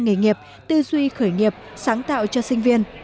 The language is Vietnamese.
nghề nghiệp tư duy khởi nghiệp sáng tạo cho sinh viên